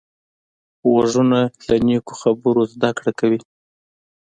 غوږونه له نیکو خبرو زده کړه کوي